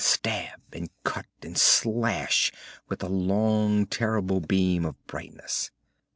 Stab and cut and slash with the long terrible beam of brightness.